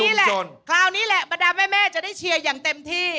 นี่แหละคราวนี้แหละบรรดาแม่จะได้เชียร์อย่างเต็มที่